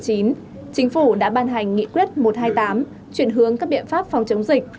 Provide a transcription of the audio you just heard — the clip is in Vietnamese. chính phủ đã ban hành nghị quyết một trăm hai mươi tám chuyển hướng các biện pháp phòng chống dịch